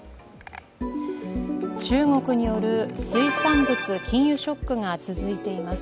中国による水産物禁輸ショックが続いています。